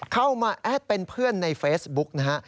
เข้ามาแอดเป็นเพื่อนในเฟซบุ๊คนะฮะ